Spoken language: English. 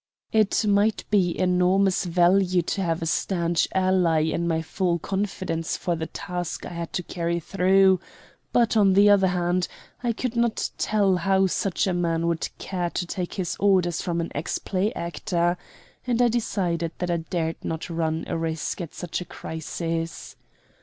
It might be enormous value to have a stanch ally in my full confidence for the task I had to carry through; but, on the other hand, I could not tell how such a man would care to take his orders from an ex play actor, and I decided that I dared not run a risk at such a crisis.